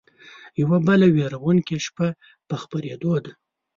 يوه بله وېرونکې شپه په خپرېدو ده